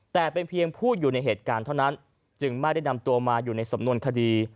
แต่เป็นเพียงผู้อยู่ในเหตุการณ์เท่านั้นจึงไม่ได้นำตัวมาอยู่ในสำนวนคดี